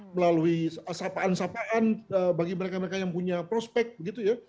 melalui sapaan sapaan bagi mereka mereka yang punya prospek begitu ya